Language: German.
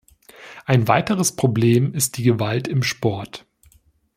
Ein weiteres Problem ist die Gewalt im Sport.